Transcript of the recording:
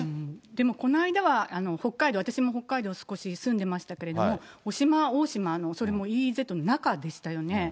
でもこの間は北海道、私も北海道、少し住んでましたけど、渡島大島の、それもＥＥＺの中でしたよね。